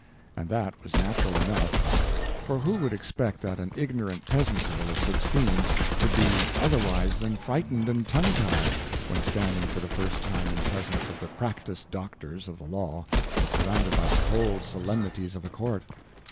And that was natural enough; for who would expect that an ignorant peasant girl of sixteen would be otherwise than frightened and tongue tied when standing for the first time in presence of the practised doctors of the law, and surrounded by the cold solemnities of a court?